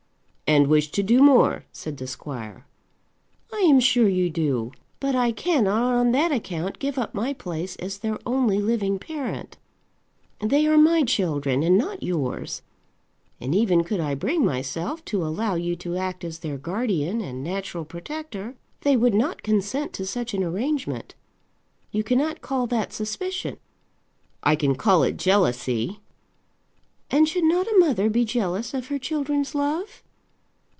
"And wish to do more," said the squire. "I am sure you do. But I cannot on that account give up my place as their only living parent. They are my children, and not yours. And even could I bring myself to allow you to act as their guardian and natural protector, they would not consent to such an arrangement. You cannot call that suspicion." "I can call it jealousy." "And should not a mother be jealous of her children's love?"